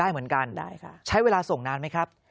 ได้เหมือนกันใช้เวลาส่งนานไหมครับ